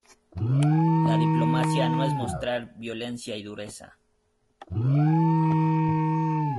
La diplomacia no es mostrar violencia y dureza.